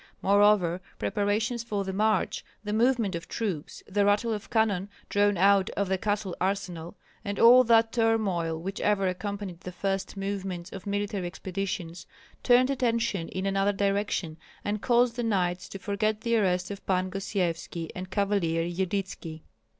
Moreover preparations for the march, the movement of troops, the rattle of cannon drawn out of the castle arsenal, and all that turmoil which ever accompanies the first movements of military expeditions, turned attention in another direction, and caused the knights to forget the arrest of Pan Gosyevski and cavalier Yudytski.